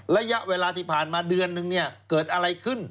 ระยะเวลาที่ผ่านมาเดือนนึงเนี่ยเกิดอะไรขึ้น